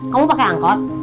kamu pakai angkot